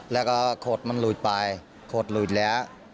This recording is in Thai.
แล้วก็โคตรมันหลุดไปโคตรหลุดแล้ว